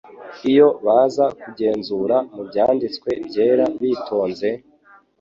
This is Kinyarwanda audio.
Iyo baza kugenzura mu byanditswe byera bitonze,